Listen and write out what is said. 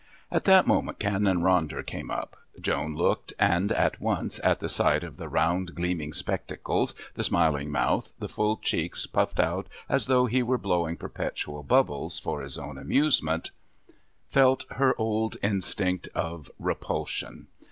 At that moment Canon Ronder came up. Joan looked and at once, at the sight of the round gleaming spectacles, the smiling mouth, the full cheeks puffed out as though he were blowing perpetual bubbles for his own amusement, felt her old instinct of repulsion.